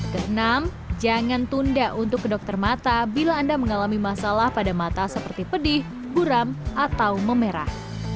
keenam jangan tunda untuk ke dokter mata bila anda mengalami masalah pada mata seperti pedih buram atau memerah